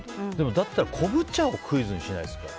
だったら昆布茶をクイズにしますよね。